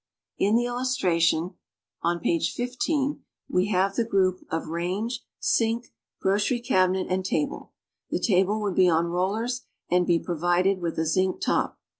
In the illustration on page 15 we have the group of range, sink, grocery cabinet and table. The table would be on rollers and be provided with a zinc top.